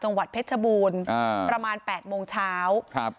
จังหวัดเพชรบูรณ์อ่าประมาณแปดโมงเช้าครับ